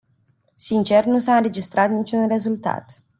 Sincer, nu s-a înregistrat niciun rezultat.